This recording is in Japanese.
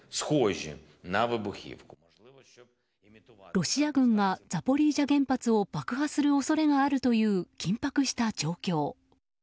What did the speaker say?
ロシア軍がザポリージャ原発を爆破する恐れがあるという緊迫した状況。